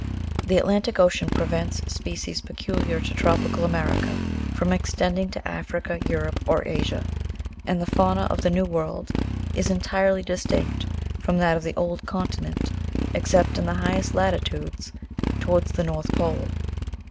The Atlantic Ocean prevents species peculiar to tropical America, from extending to Africa, Europe, or Asia ; and the fauna of the New World is entirely distinct from that of the old continent, except in the highest latitudes, towards the north pole.